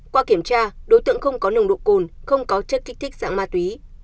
qua kiểm tra đối tượng không có nồng độ cồn không có chất kích thích dạng ma túy